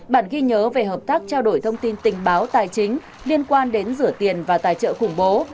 bản ghi nhớ về hợp tác trao đổi thông tin tình báo tài chính liên quan đến rửa tiền và tài trợ khủng bố